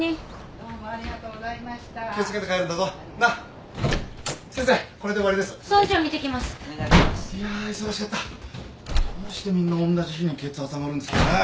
どうしてみんなおんなじ日に血圧上がるんですかねえ。